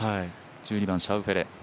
１２番、シャウフェレ。